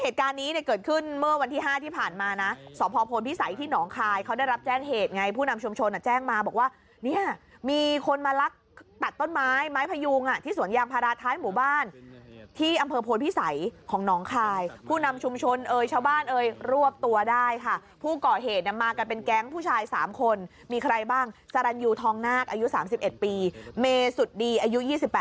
ถูกต้องค่ะแมนนี่กรรมติดล้อมาแบบนี้เลย